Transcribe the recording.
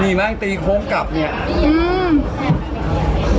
มีมั้งตีโค้งกลับเนี่ย